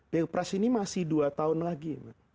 pilpres ini masih dua tahun lagi